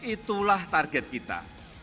itulah target kita